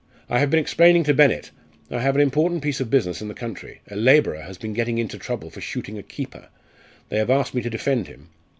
I have been explaining to Bennett. I have an important piece of business in the country a labourer has been getting into trouble for shooting a keeper; they have asked me to defend him.